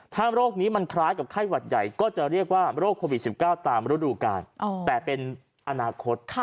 ถ้าโรคนี้มันคล้ายกับไข้หวัดใหญ่ก็จะเรียกว่าโรคโควิด๑๙ตามฤดูกาลแต่เป็นอนาคต